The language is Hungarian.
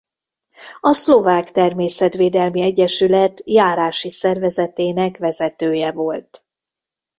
A Szlovák Természetvédelmi Egyesület járási szervezetének vezetője volt.